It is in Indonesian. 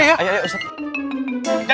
jangan kabur sekedar ya